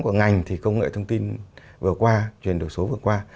của ngành thì công nghệ thông tin vừa qua truyền đồ số vừa qua